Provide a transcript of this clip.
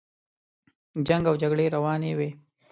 جنګ او جګړې روانې وې.